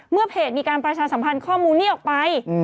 เพจมีการประชาสัมพันธ์ข้อมูลนี้ออกไป